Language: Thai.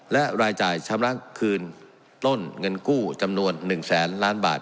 และรายจ่ายชำระคืนต้นเงินกู้จำนวน๑แสนล้านบาท